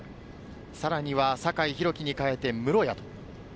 さらには酒井宏樹に代えて室屋。